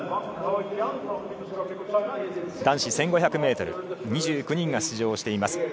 男子１５００ｍ２９人が出場しています。